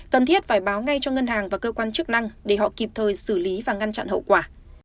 cần thiết phải báo ngay cho ngân hàng và cơ quan chức năng để họ kịp thời xử lý và ngăn chặn hậu quả